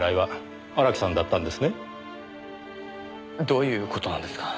どういう事なんですか？